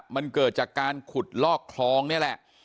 มันเกิดจากการขุดลอกคลองนี่แหละ